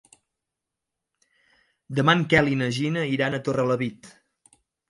Demà en Quel i na Gina iran a Torrelavit.